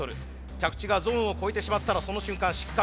着地がゾーンを越えてしまったらその瞬間失格。